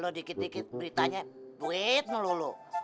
ah lo dikit dikit beritanya buit melulu